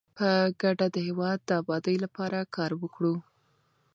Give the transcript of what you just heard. په ګډه د هیواد د ابادۍ لپاره کار وکړو.